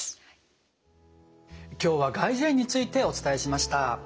今日は外耳炎についてお伝えしました。